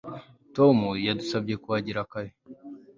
Tom yadusabye kuhagera kare